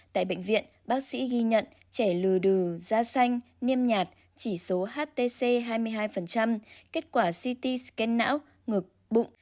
tại bệnh viện bác sĩ ghi nhận trẻ lừa đừ da xanh niêm nhạt chỉ số htc hai mươi hai kết quả city scan não ngực bụng